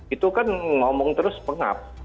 itu kan ngomong terus pengap